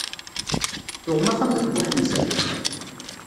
Tuɣem axxam deg Buḥemza?